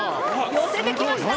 よせてきました。